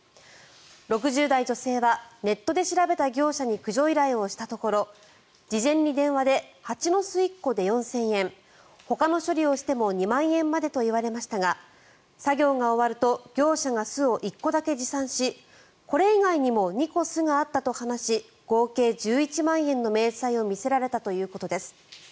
６０代女性はネットで調べた業者に駆除依頼をしたところ事前に電話で、蜂の巣１個で４０００円ほかの処理をしても２万円までといわれましたが作業が終わると業者が巣を１個だけ持参しこれ以外にも２個巣があったと話し合計１１万円の明細を見せられたということです。